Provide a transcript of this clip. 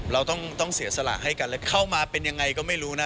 เราต้องเสียสละให้กันแล้วเข้ามาเป็นยังไงก็ไม่รู้นะ